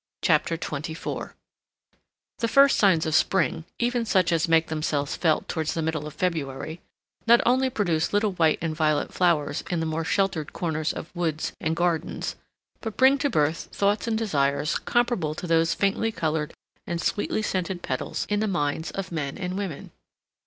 CHAPTER XXIV The first signs of spring, even such as make themselves felt towards the middle of February, not only produce little white and violet flowers in the more sheltered corners of woods and gardens, but bring to birth thoughts and desires comparable to those faintly colored and sweetly scented petals in the minds of men and women.